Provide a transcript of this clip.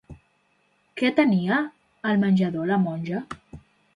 Què tenia al menjador la Monja?